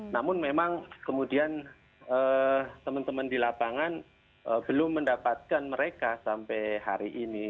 namun memang kemudian teman teman di lapangan belum mendapatkan mereka sampai hari ini